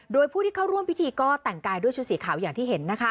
โดยผู้ที่เข้าร่วมพิธีก็แต่งกายด้วยชุดสีขาวอย่างที่เห็นนะคะ